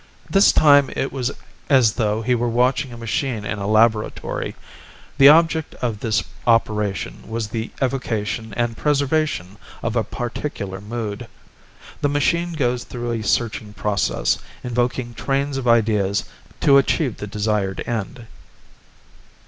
This time it was as though he were watching a machine in a laboratory. The object of this operation was the evocation and preservation of a particular mood. The machine goes through a searching process, invoking trains of ideas to achieve the desired end.